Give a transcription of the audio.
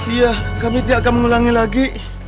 iya kami tidak akan mengulangi lagi